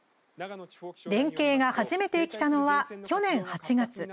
連携が初めて生きたのは去年８月。